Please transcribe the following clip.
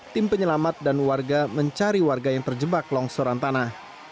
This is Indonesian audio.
tim penyelamat dan warga mencari warga yang terjebak longsoran tanah